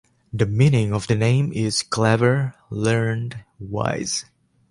The meaning of the name is "clever, learned, wise".